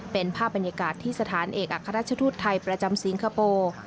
เป็นภาพบรรยากาศที่สถานเอกอัครราชทูตไทยประจำสิงคโปร์